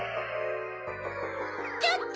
ちょっと！